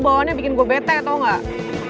bahannya bikin gue bete tau nggak